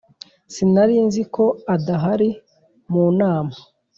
sinari nzi ko adahari mu nama.